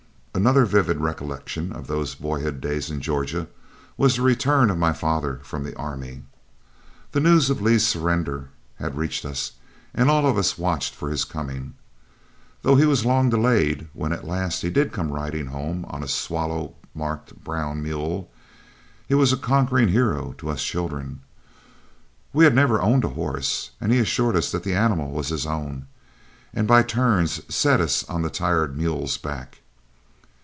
Another vivid recollection of those boyhood days in Georgia was the return of my father from the army. The news of Lee's surrender had reached us, and all of us watched for his coming. Though he was long delayed, when at last he did come riding home on a swallow marked brown mule, he was a conquering hero to us children. We had never owned a horse, and he assured us that the animal was his own, and by turns set us on the tired mule's back.